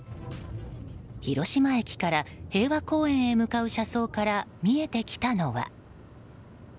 広島駅から平和公園へ向かう車窓から見えてきたのは。